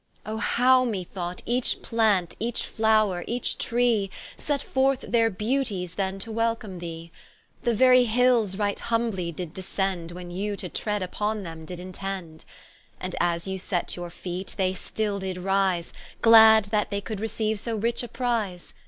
Oh how me thought each plant, each floure, each tree Set forth their beauties then to welcome thee! The very Hills right humbly did descend, When you to tread vpon them did intend. And as you set your feete, they still did rise, Glad that they could receiue so rich a prise.